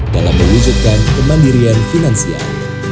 dalam mewujudkan kemandirian finansial